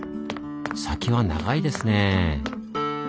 先は長いですねぇ。